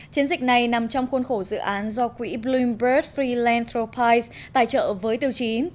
chiến dịch này nằm trong khuôn khổ dự án do quỹ bloomberg philanthropies tài trợ với tiêu chí